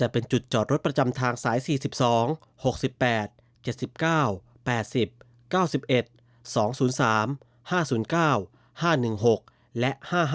จะเป็นจุดจอดรถประจำทางสาย๔๒๖๘๗๙๘๐๙๑๒๐๓๕๐๙๕๑๖และ๕๕